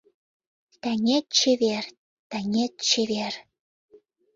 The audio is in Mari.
Таҥет чевер, таҥет чевер